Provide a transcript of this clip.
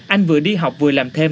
anh vừa đi học vừa làm thêm